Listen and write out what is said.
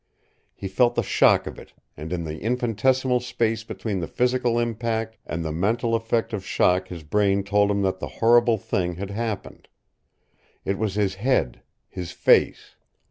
He felt the shock of it, and in the infinitesimal space between the physical impact and the mental effect of shock his brain told him the horrible thing had happened. It was his head his face.